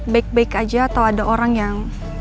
baik baik aja atau ada orang yang